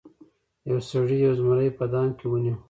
یو سړي یو زمری په دام کې ونیو.